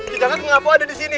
kijagat mengapa ada disini